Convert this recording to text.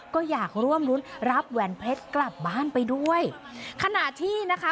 ก็อยากร่วมรุ้นรับแหวนเพชรกลับบ้านไปด้วยขณะที่นะคะ